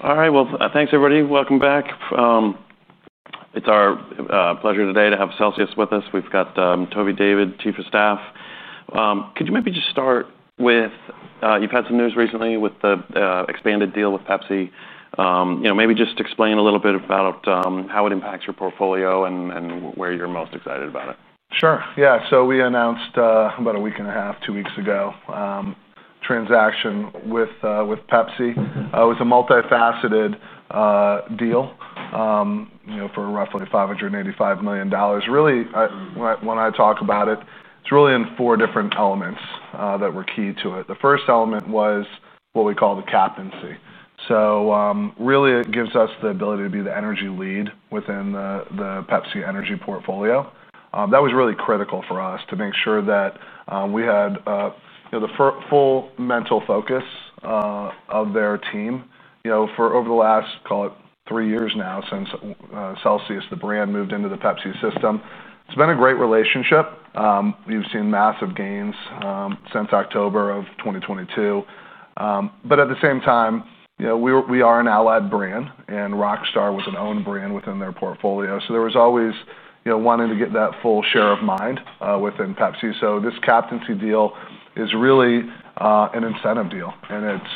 All right. Thanks, everybody. Welcome back. It's our pleasure today to have Celsius with us. We've got Toby David, Chief of Staff. Could you maybe just start with you've had some news recently with the expanded deal with Pepsi? Maybe just explain a little bit about how it impacts your portfolio and where you're most excited about it. Sure. Yeah. We announced about a week and a half, two weeks ago, a transaction with Pepsi. It was a multifaceted deal for roughly $585 million. Really, when I talk about it, it's in four different elements that were key to it. The first element was what we call the captaincy. It gives us the ability to be the energy lead within the Pepsi Energy portfolio. That was really critical for us to make sure that we had the full mental focus of their team. For over the last, call it three years now, since Celsius, the brand, moved into the Pepsi system, it's been a great relationship. We've seen massive gains since October of 2022. At the same time, we are an allied brand, and Rockstar was an owned brand within their portfolio. There was always wanting to get that full share of mind within Pepsi. This captaincy deal is really an incentive deal.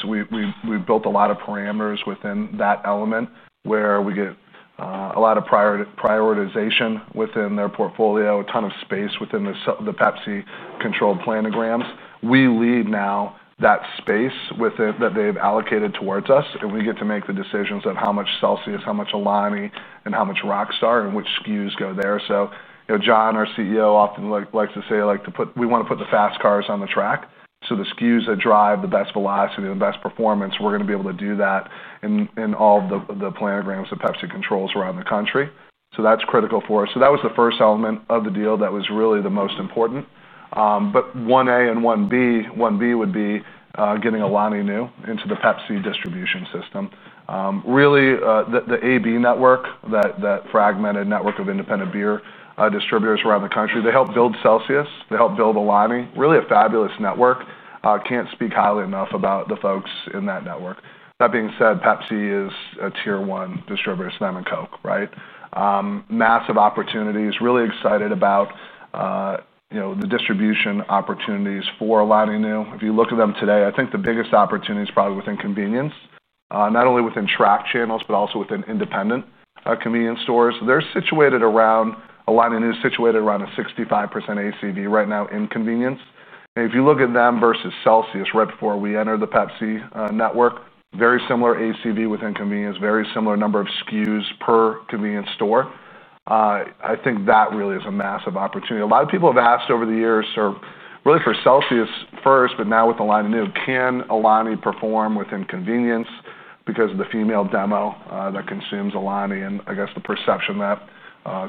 We built a lot of parameters within that element where we get a lot of prioritization within their portfolio, a ton of space within the Pepsi-controlled planograms. We lead now that space that they've allocated towards us, and we get to make the decisions on how much Celsius, how much Alani, and how much Rockstar, and which SKUs go there. John, our CEO, often likes to say, we want to put the fast cars on the track. The SKUs that drive the best velocity and the best performance, we're going to be able to do that in all of the planograms that Pepsi controls around the country. That's critical for us. That was the first element of the deal that was really the most important. 1A and 1B, 1B would be getting Alani Nu into the Pepsi distribution system. The AB network, that fragmented network of independent beer distributors around the country, they helped build Celsius. They helped build Alani. Really a fabulous network. Can't speak highly enough about the folks in that network. That being said, Pepsi is a tier one distributor to them and Coke, right? Massive opportunities. Really excited about the distribution opportunities for Alani Nu. If you look at them today, I think the biggest opportunity is probably within convenience, not only within track channels, but also within independent convenience stores. They're situated around Alani Nu, situated around a 65% ACV right now in convenience. If you look at them versus Celsius right before we entered the Pepsi network, very similar ACV within convenience, very similar number of SKUs per convenience store. I think that really is a massive opportunity. A lot of people have asked over the years, really for Celsius first, but now with Alani Nu, can Alani perform within convenience because of the female demo that consumes Alani and I guess the perception that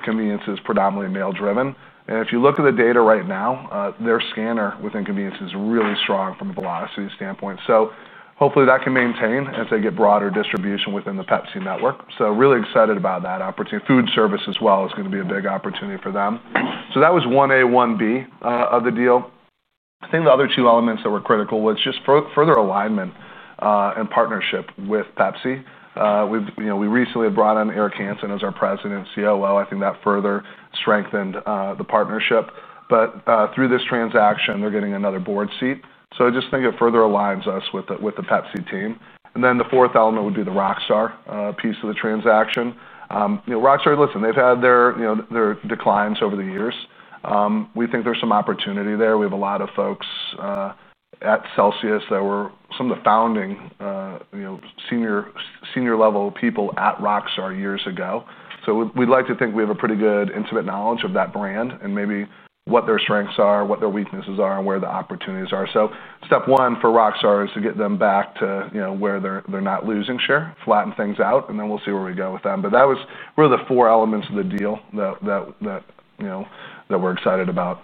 convenience is predominantly male-driven. If you look at the data right now, their scanner within convenience is really strong from a velocity standpoint. Hopefully that can maintain as they get broader distribution within the Pepsi network. Really excited about that opportunity. Food service as well is going to be a big opportunity for them. That was 1A, 1B of the deal. I think the other two elements that were critical was just further alignment and partnership with Pepsi. We recently brought on Eric Hanson as our President and COO. I think that further strengthened the partnership. Through this transaction, they're getting another board seat. I just think it further aligns us with the Pepsi team. The fourth element would be the Rockstar piece of the transaction. Rockstar, listen, they've had their declines over the years. We think there's some opportunity there. We have a lot of folks at Celsius that were some of the founding senior-level people at Rockstar years ago. We'd like to think we have a pretty good intimate knowledge of that brand and maybe what their strengths are, what their weaknesses are, and where the opportunities are. Step one for Rockstar is to get them back to where they're not losing share, flatten things out, and then we'll see where we go with them. That was really the four elements of the deal that we're excited about.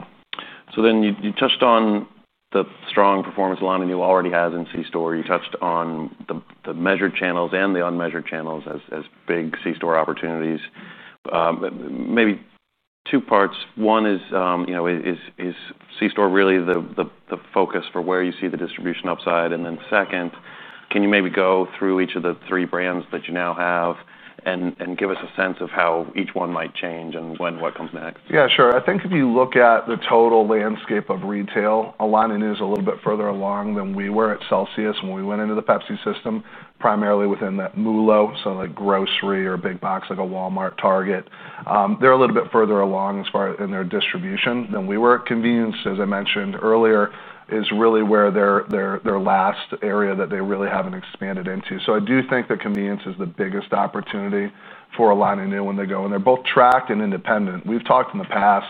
You touched on the strong performance Alani Nu already has in C-Store. You touched on the measured channels and the unmeasured channels as big C-Store opportunities. Maybe two parts. One is, is C-Store really the focus for where you see the distribution upside? Then second, can you maybe go through each of the three brands that you now have and give us a sense of how each one might change and when what comes next? Yeah, sure. I think if you look at the total landscape of retail, Alani Nu is a little bit further along than we were at Celsius when we went into the Pepsi system, primarily within that MULO, so like grocery or big box, like a Walmart, Target. They're a little bit further along as far as in their distribution than we were. Convenience, as I mentioned earlier, is really where their last area that they really haven't expanded into. I do think that convenience is the biggest opportunity for Alani Nu when they go, and they're both track and independent. We've talked in the past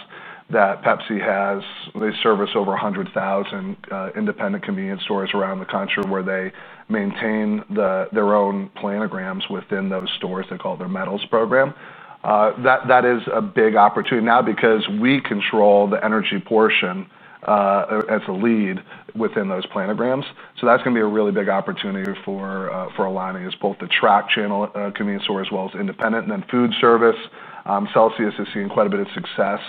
that Pepsi has, they service over 100,000 independent convenience stores around the country where they maintain their own planograms within those stores. They call it their Metals program. That is a big opportunity now because we control the energy portion as a lead within those planograms. That's going to be a really big opportunity for Alani is both the track channel convenience store as well as independent. Food service, Celsius is seeing quite a bit of success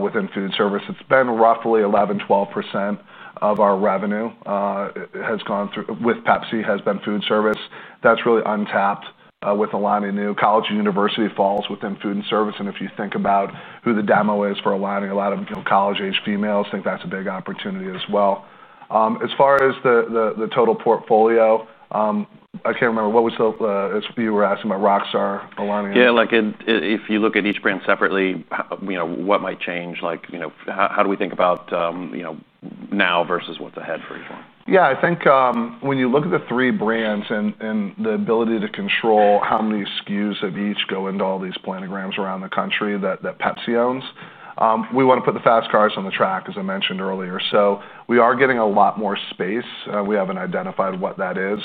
within food service. It's been roughly 11%, 12% of our revenue has gone through with Pepsi, has been food service. That's really untapped with Alani Nu. College and university falls within food and service. If you think about who the demo is for Alani, a lot of college-aged females think that's a big opportunity as well. As far as the total portfolio, I can't remember what was the, you were asking about Rockstar, Alani Nu. Yeah, if you look at each brand separately, you know, what might change? Like, you know, how do we think about, you know, now versus what's ahead for you? Yeah, I think when you look at the three brands and the ability to control how many SKUs of each go into all these planograms around the country that Pepsi owns, we want to put the fast cars on the track, as I mentioned earlier. We are getting a lot more space. We haven't identified what that is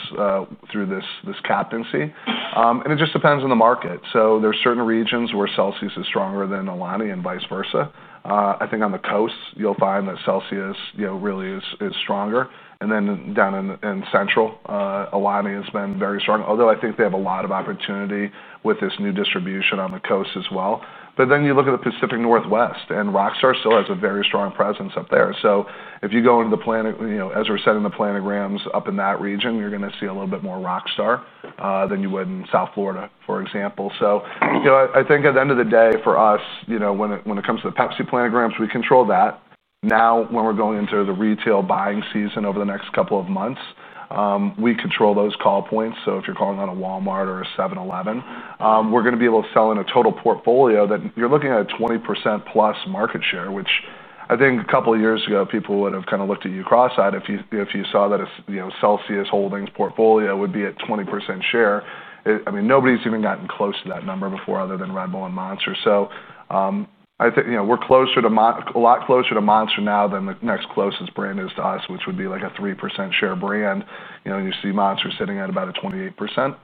through this captaincy, and it just depends on the market. There are certain regions where Celsius is stronger than Alani Nu and vice versa. I think on the coast, you'll find that Celsius really is stronger, and then down in central, Alani Nu is then very strong, although I think they have a lot of opportunity with this new distribution on the coast as well. You look at the Pacific Northwest, and Rockstar still has a very strong presence up there. If you go into the plan, as we're setting the planograms up in that region, you're going to see a little bit more Rockstar than you would in South Florida, for example. I think at the end of the day for us, when it comes to the Pepsi planograms, we control that. Now, when we're going into the retail buying season over the next couple of months, we control those call points. If you're calling on a Walmart or a 7-Eleven, we're going to be able to sell in a total portfolio that you're looking at a 20%+ market share, which I think a couple of years ago, people would have kind of looked at you cross-eyed if you saw that, you know, Celsius Holdings' portfolio would be at 20% share. Nobody's even gotten close to that number before other than Red Bull and Monster. We're closer to, a lot closer to Monster now than the next closest brand is to us, which would be like a 3% share brand. You see Monster sitting at about a 28%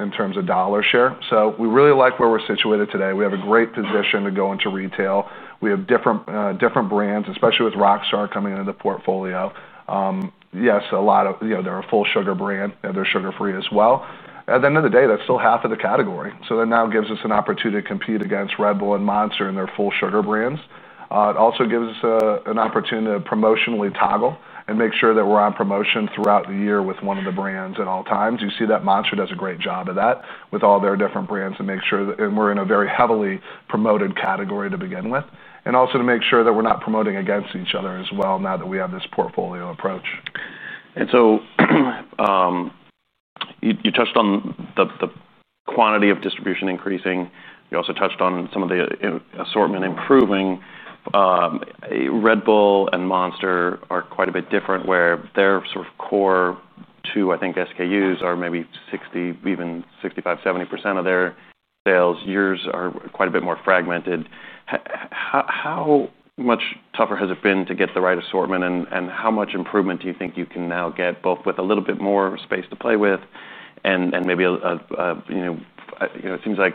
in terms of dollar share. We really like where we're situated today. We have a great position to go into retail. We have different brands, especially with Rockstar coming into the portfolio. Yes, a lot of, you know, they're a full sugar brand and they're sugar-free as well. At the end of the day, that's still half of the category. That now gives us an opportunity to compete against Red Bull and Monster and their full sugar brands. It also gives us an opportunity to promotionally toggle and make sure that we're on promotion throughout the year with one of the brands at all times. You see that Monster does a great job of that with all their different brands and make sure that we're in a very heavily promoted category to begin with, and also to make sure that we're not promoting against each other as well now that we have this portfolio approach. You touched on the quantity of distribution increasing. You also touched on some of the assortment improving. Red Bull and Monster are quite a bit different, where their sort of core two, I think, SKUs are maybe 60%, even 65%, 70% of their sales. Yours are quite a bit more fragmented. How much tougher has it been to get the right assortment, and how much improvement do you think you can now get both with a little bit more space to play with and maybe, you know, it seems like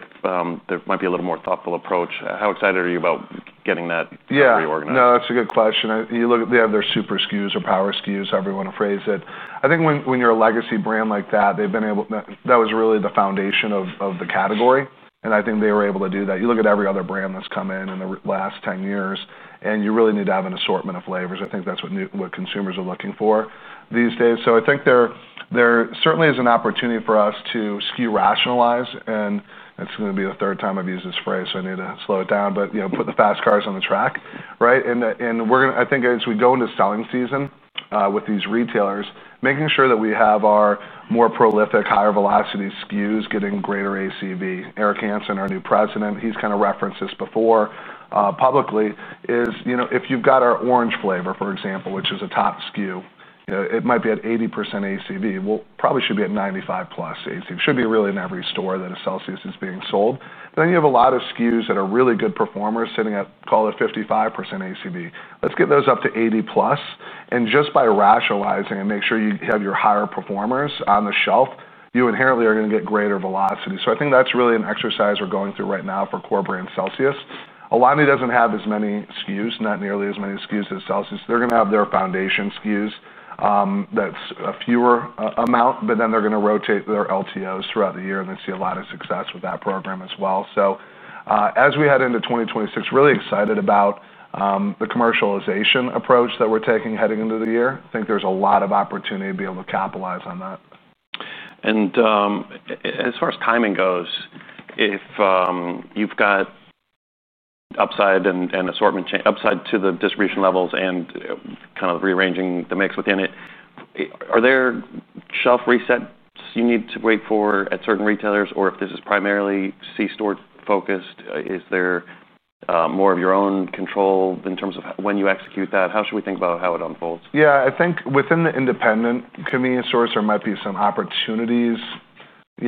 there might be a little more thoughtful approach. How excited are you about getting that reorganized? Yeah, no, that's a good question. You look at the end of their super SKUs or power SKUs, however you want to phrase it. I think when you're a legacy brand like that, they've been able, that was really the foundation of the category. I think they were able to do that. You look at every other brand that's come in in the last 10 years, and you really need to have an assortment of flavors. I think that's what consumers are looking for these days. I think there certainly is an opportunity for us to SKU rationalize. It's going to be the third time I've used this phrase, so I need to slow it down, but, you know, put the fast cars on the track, right? I think as we go into selling season with these retailers, making sure that we have our more prolific, higher velocity SKUs getting greater ACV. Eric Hanson, our new President, he's kind of referenced this before publicly, is, you know, if you've got our orange flavor, for example, which is a top SKU, you know, it might be at 80% ACV. It probably should be at 95%+ ACV. It should be really in every store that a Celsius is being sold. Then you have a lot of SKUs that are really good performers sitting at, call it, 55% ACV. Let's get those up to 80%+. Just by rationalizing and making sure you have your higher performers on the shelf, you inherently are going to get greater velocity. I think that's really an exercise we're going through right now for core brand Celsius. Alani Nu doesn't have as many SKUs, not nearly as many SKUs as Celsius. They're going to have their foundation SKUs, that's a fewer amount, but then they're going to rotate their LTOs throughout the year and then see a lot of success with that program as well. As we head into 2026, really excited about the commercialization approach that we're taking heading into the year. I think there's a lot of opportunity to be able to capitalize on that. As far as timing goes, if you've got upside and assortment upside to the distribution levels and kind of rearranging the mix within it, are there shelf resets you need to wait for at certain retailers, or if this is primarily C-Store focused, is there more of your own control in terms of when you execute that? How should we think about how it unfolds? Yeah, I think within the independent convenience stores, there might be some opportunities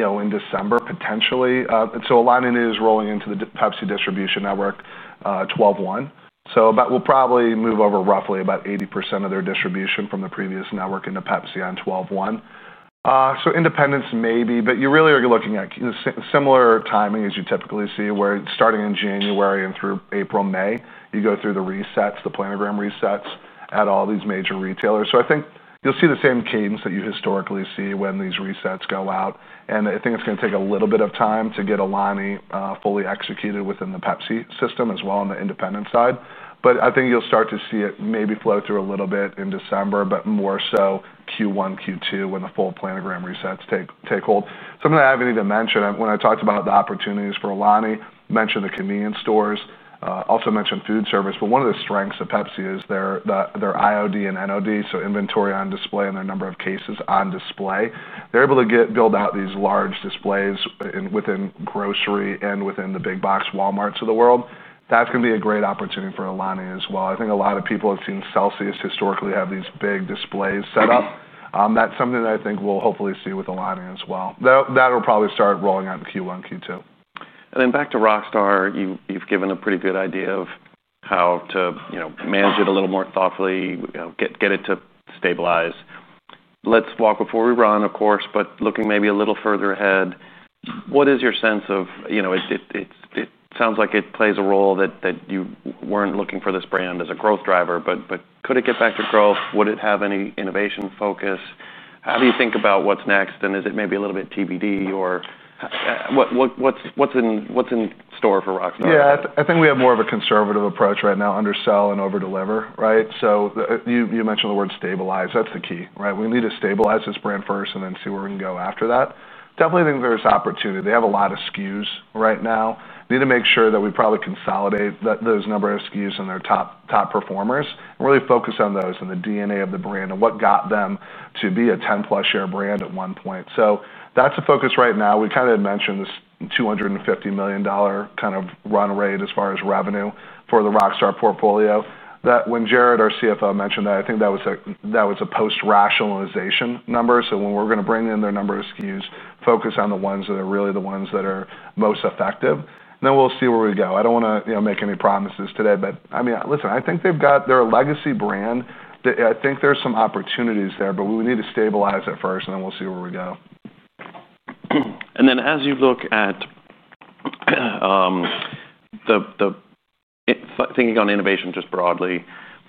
in December potentially. Alani Nu is rolling into the Pepsi distribution network 12/1. We'll probably move over roughly about 80% of their distribution from the previous network into Pepsi on 12/1. Independents may be, but you really are looking at similar timing as you typically see where starting in January and through April, May, you go through the resets, the planogram resets at all these major retailers. I think you'll see the same cadence that you historically see when these resets go out. I think it's going to take a little bit of time to get Alani fully executed within the Pepsi system as well on the independent side. I think you'll start to see it maybe flow through a little bit in December, but more so Q1, Q2 when the full planogram resets take hold. Something I haven't even mentioned, when I talked about the opportunities for Alani, I mentioned the convenience stores, also mentioned food service. One of the strengths of Pepsi is their IOD and NOD, so inventory on display and their number of cases on display. They're able to build out these large displays within grocery and within the big box Walmarts of the world. That's going to be a great opportunity for Alani as well. I think a lot of people have seen Celsius historically have these big displays set up. That's something that I think we'll hopefully see with Alani as well. That'll probably start rolling out in Q1, Q2. Back to Rockstar, you've given a pretty good idea of how to manage it a little more thoughtfully, get it to stabilize. Let's walk before we run, of course, but looking maybe a little further ahead, what is your sense of, you know, it sounds like it plays a role that you weren't looking for this brand as a growth driver, but could it get back to growth? Would it have any innovation focus? How do you think about what's next? Is it maybe a little bit TBD or what's in store for Rockstar? Yeah, I think we have more of a conservative approach right now, undersell and overdeliver, right? You mentioned the word stabilize. That's the key, right? We need to stabilize this brand first and then see where we can go after that. Definitely think there's opportunity. They have a lot of SKUs right now. We need to make sure that we probably consolidate those number of SKUs and their top performers and really focus on those and the DNA of the brand and what got them to be a 10-plus-year brand at one point. That's a focus right now. We had mentioned this $250 million kind of run rate as far as revenue for the Rockstar portfolio. When Jarrod, our CFO, mentioned that, I think that was a post-rationalization number. We're going to bring in their number of SKUs, focus on the ones that are really the ones that are most effective. We'll see where we go. I don't want to make any promises today, but I mean, listen, I think they've got their legacy brand. I think there's some opportunities there, but we need to stabilize it first and then we'll see where we go. As you look at the thinking on innovation just broadly,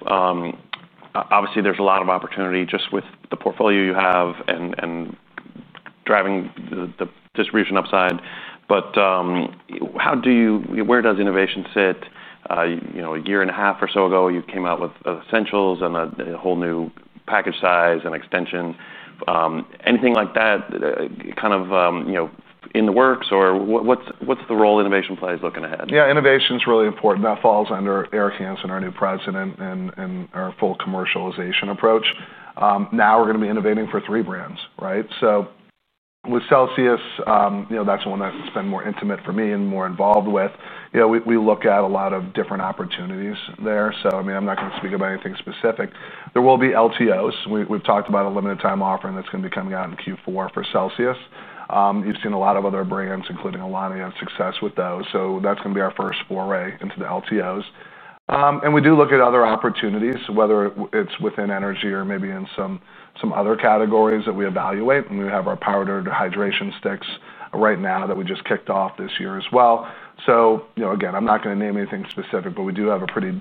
obviously there's a lot of opportunity just with the portfolio you have and driving the distribution upside. Where does innovation sit? You know, a year and a half or so ago, you came out with ESSENTIALS and a whole new package size and extension. Anything like that in the works or what's the role innovation plays looking ahead? Yeah, innovation's really important. That falls under Eric Hanson, our new President, and our full commercialization approach. Now we're going to be innovating for three brands, right? With Celsius, you know, that's the one that's been more intimate for me and more involved with. We look at a lot of different opportunities there. I mean, I'm not going to speak about anything specific. There will be LTOs. We've talked about a limited-time offering that's going to be coming out in Q4 for Celsius. You've seen a lot of other brands, including Alani Nu, and success with those. That's going to be our first foray into the LTOs. We do look at other opportunities, whether it's within energy or maybe in some other categories that we evaluate. We have our powder HYDRATION sticks right now that we just kicked off this year as well. Again, I'm not going to name anything specific, but we do have a pretty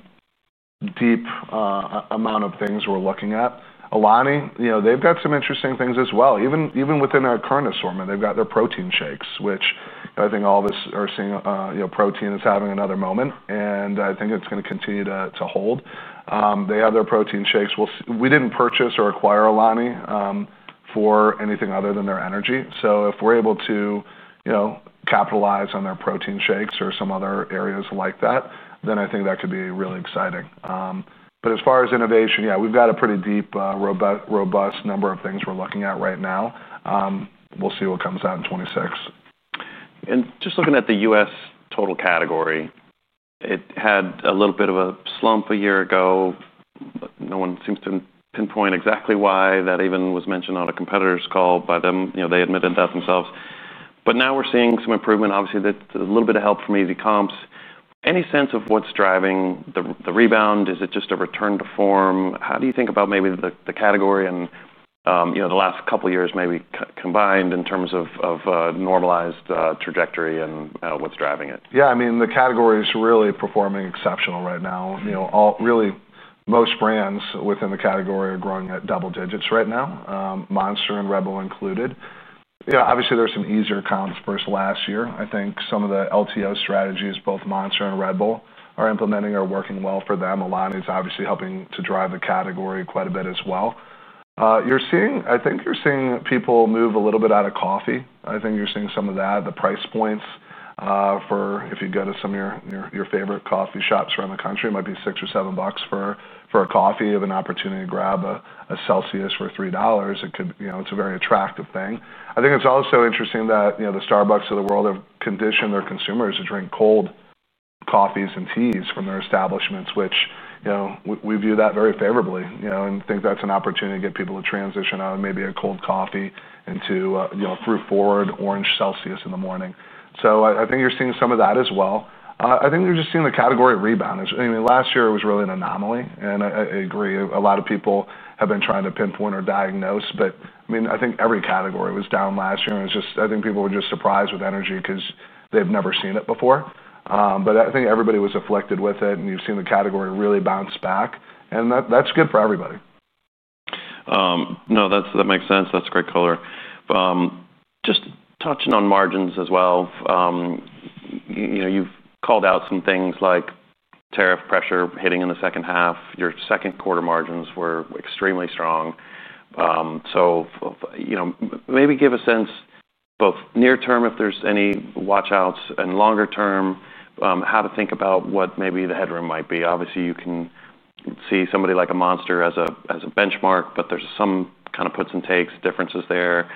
deep amount of things we're looking at. Alani, you know, they've got some interesting things as well. Even within their current assortment, they've got their protein shakes, which I think all of us are seeing, you know, protein is having another moment. I think it's going to continue to hold. They have their protein shakes. We didn't purchase or acquire Alani for anything other than their energy. If we're able to capitalize on their protein shakes or some other areas like that, then I think that could be really exciting. As far as innovation, yeah, we've got a pretty deep, robust number of things we're looking at right now. We'll see what comes out in 2026. Looking at the U.S. total category, it had a little bit of a slump a year ago. No one seems to pinpoint exactly why. That even was mentioned on a competitor's call by them. They admitted that themselves. Now we're seeing some improvement, obviously a little bit of help from easy comps. Any sense of what's driving the rebound? Is it just a return to form? How do you think about maybe the category and the last couple of years maybe combined in terms of normalized trajectory and what's driving it? Yeah, I mean, the category is really performing exceptional right now. Most brands within the category are growing at double digits right now, Monster and Red Bull included. Obviously, there's some easier comps last year. I think some of the limited-time offerings strategies both Monster and Red Bull are implementing are working well for them. Alani is obviously helping to drive the category quite a bit as well. I think you're seeing people move a little bit out of coffee. I think you're seeing some of that, the price points for, if you go to some of your favorite coffee shops around the country, it might be $6 or $7 for a coffee. You have an opportunity to grab a CELSIUS for $3. It's a very attractive thing. I think it's also interesting that the Starbucks of the world have conditioned their consumers to drink cold coffees and teas from their establishments, which we view very favorably and think that's an opportunity to get people to transition out of maybe a cold coffee into a fruit-forward orange CELSIUS in the morning. I think you're seeing some of that as well. I think you're just seeing the category rebound. Last year it was really an anomaly. I agree, a lot of people have been trying to pinpoint or diagnose, but I think every category was down last year. People were just surprised with energy because they've never seen it before. I think everybody was afflicted with it. You've seen the category really bounce back. That's good for everybody. No, that makes sense. That's a great color. Just touching on margins as well, you've called out some things like tariff pressure hitting in the second half. Your second quarter margins were extremely strong. Maybe give a sense both near term if there's any watch outs and longer term, how to think about what maybe the headroom might be. Obviously, you can see somebody like a Monster as a benchmark, but there's some kind of puts and takes differences there.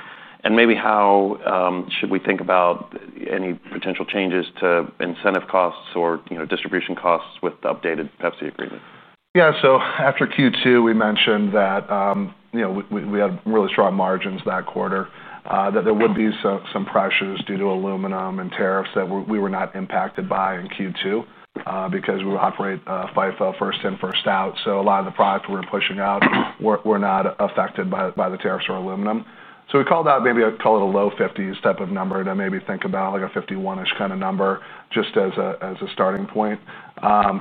Maybe how should we think about any potential changes to incentive costs or distribution costs with the updated Pepsi agreement? Yeah, after Q2, we mentioned that we had really strong margins that quarter, that there would be some pressures due to aluminum tariffs that we were not impacted by in Q2 because we operate FIFO, first in, first out. A lot of the products we were pushing out were not affected by the tariffs or aluminum. We called out maybe a, call it a low 50s type of number to maybe think about like a 51% kind of number just as a starting point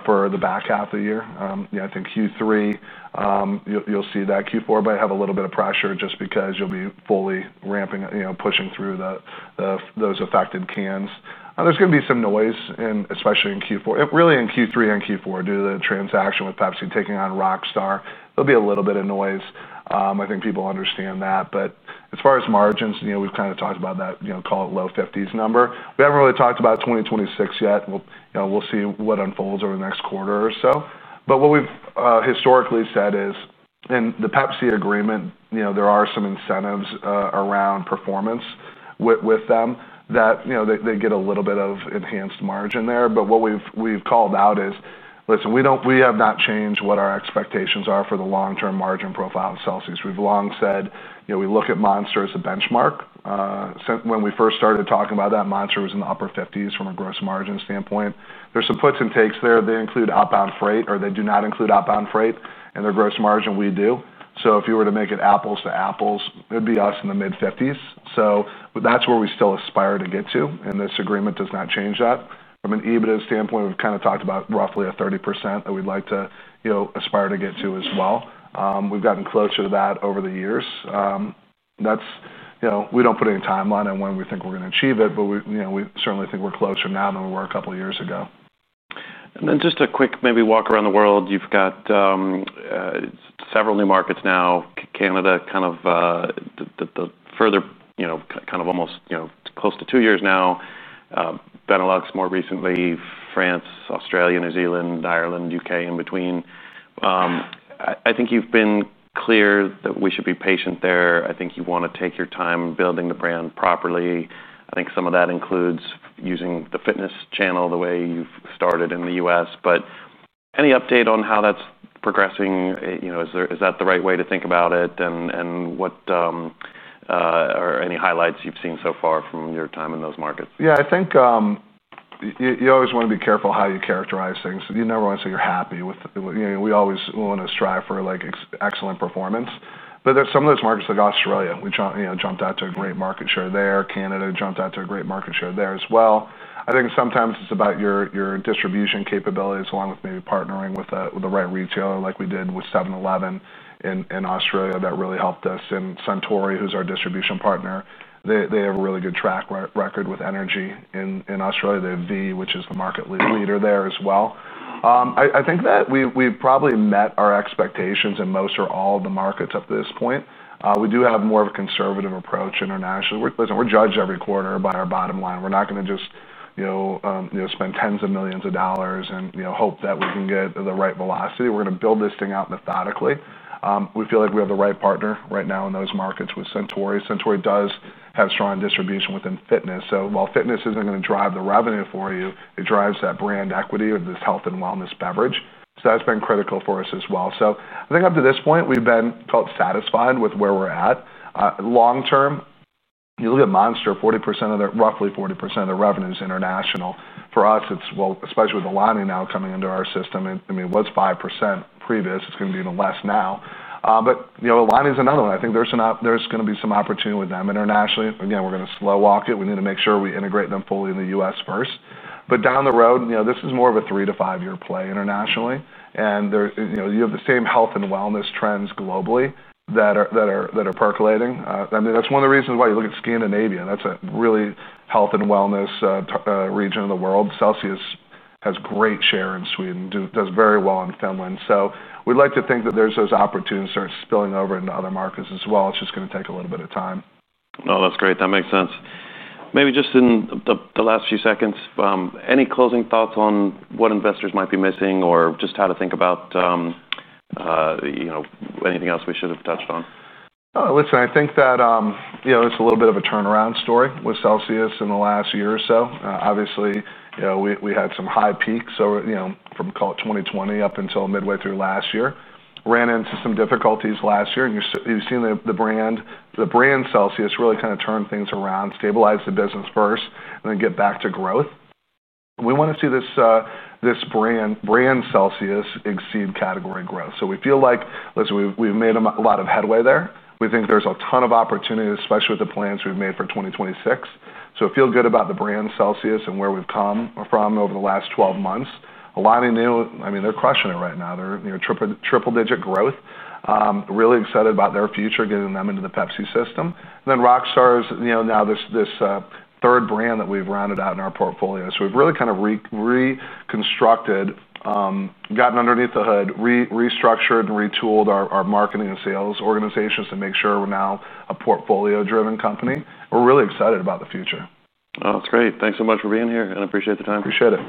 for the back half of the year. I think Q3, you'll see that. Q4 might have a little bit of pressure just because you'll be fully ramping, pushing through those affected cans. There's going to be some noise, especially in Q4, really in Q3 and Q4 due to the transaction with Pepsi taking on Rockstar. There'll be a little bit of noise. I think people understand that. As far as margins, we've kind of talked about that, call it low 50s number. We haven't really talked about 2026 yet. We'll see what unfolds over the next quarter or so. What we've historically said is in the Pepsi agreement, there are some incentives around performance with them that they get a little bit of enhanced margin there. What we've called out is, listen, we have not changed what our expectations are for the long-term margin profile of Celsius. We've long said we look at Monster as a benchmark. When we first started talking about that, Monster was in the upper 50s from a gross margin standpoint. There are some puts and takes there. They do not include outbound freight in their gross margin. We do. If you were to make it apples to apples, it'd be us in the mid 50s. That's where we still aspire to get to, and this agreement does not change that. From an EBITDA standpoint, we've kind of talked about roughly a 30% that we'd like to aspire to get to as well. We've gotten closer to that over the years. We don't put any timeline on when we think we're going to achieve it, but we certainly think we're closer now than we were a couple of years ago. Just a quick maybe walk around the world. You've got several new markets now. Canada, kind of the further, you know, kind of almost, you know, close to two years now. Benelux, more recently, France, Australia, New Zealand, Ireland, UK in between. I think you've been clear that we should be patient there. I think you want to take your time building the brand properly. I think some of that includes using the fitness channel the way you've started in the U.S. Any update on how that's progressing? Is that the right way to think about it? What are any highlights you've seen so far from your time in those markets? Yeah, I think you always want to be careful how you characterize things. You never want to say you're happy with, you know, we always want to strive for like excellent performance. There are some of those markets like Australia, which jumped out to a great market share there. Canada jumped out to a great market share there as well. I think sometimes it's about your distribution capabilities along with maybe partnering with the right retailer like we did with 7-Eleven in Australia. That really helped us. Suntory, who's our distribution partner, has a really good track record with energy in Australia. They have Vibe, which is the market leader there as well. I think that we've probably met our expectations in most or all of the markets up to this point. We do have more of a conservative approach internationally. Listen, we're judged every quarter by our bottom line. We're not going to just spend tens of millions of dollars and hope that we can get the right velocity. We're going to build this thing out methodically. We feel like we have the right partner right now in those markets with Suntory. Suntory does have strong distribution within fitness. While fitness isn't going to drive the revenue for you, it drives that brand equity with this health and wellness beverage. That's been critical for us as well. I think up to this point, we've been called satisfied with where we're at. Long term, you look at Monster, 40% of their, roughly 40% of their revenue is international. For us, it's, especially with Alani now coming into our system. I mean, it was 5% previous. It's going to be even less now. Alani is another one. I think there's going to be some opportunity with them internationally. Again, we're going to slow walk it. We need to make sure we integrate them fully in the U.S. first. Down the road, this is more of a three to five-year play internationally. You have the same health and wellness trends globally that are percolating. That's one of the reasons why you look at Scandinavia. That's a really health and wellness region in the world. Celsius has great share in Sweden, does very well in Finland. We'd like to think that there are those opportunities that are spilling over into other markets as well. It's just going to take a little bit of time. No, that's great. That makes sense. Maybe just in the last few seconds, any closing thoughts on what investors might be missing or just how to think about anything else we should have touched on? Oh, listen, I think that, you know, it's a little bit of a turnaround story with Celsius in the last year or so. Obviously, you know, we had some high peaks, you know, from, call it, 2020 up until midway through last year. We ran into some difficulties last year, and you've seen the brand, the brand Celsius really kind of turned things around, stabilized the business first, and then get back to growth. We want to see this brand, brand Celsius exceed category growth. We feel like, listen, we've made a lot of headway there. We think there's a ton of opportunity, especially with the plans we've made for 2026. I feel good about the brand Celsius and where we've come from over the last 12 months. Alani Nu, I mean, they're crushing it right now. They're, you know, triple digit growth. Really excited about their future, getting them into the Pepsi system. Then Rockstar is, you know, now this third brand that we've rounded out in our portfolio. We've really kind of reconstructed, gotten underneath the hood, restructured, and retooled our marketing and sales organizations to make sure we're now a portfolio-driven company. We're really excited about the future. Oh, that's great. Thanks so much for being here. I appreciate the time. Appreciate it.